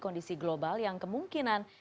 kondisi global yang kemungkinan